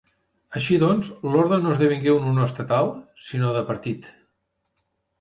Així doncs, l'orde no esdevingué un honor estatal, sinó de partit.